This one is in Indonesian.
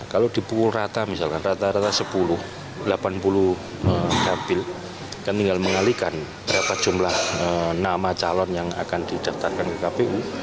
kalau dipukul rata misalkan rata rata sepuluh delapan puluh dapil kan tinggal mengalihkan berapa jumlah nama calon yang akan didaftarkan ke kpu